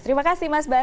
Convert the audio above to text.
terima kasih mas bas